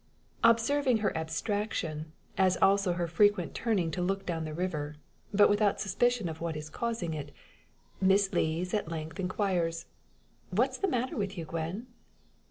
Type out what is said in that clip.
Observing her abstraction, as also her frequent turning to look down the river but without suspicion of what is causing it Miss Lees at length inquires, "What's the matter with you, Gwen?"